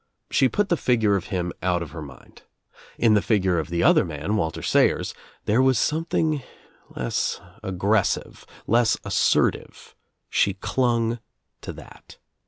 She put the figure of him out of her mind. In the figure of the other man, Walter Sayers, there was something less aggressive, less assertive. She clung to that.